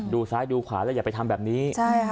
ดูซ้ายดูขวาแล้วอย่าไปทำแบบนี้